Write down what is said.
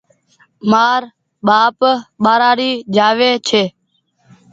مآر ٻآپ ٻآرآڙي جآوي ڇي